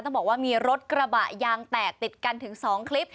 ต้องบอกว่ามีรถกระบะยางแตกติดกันถึง๒คลิป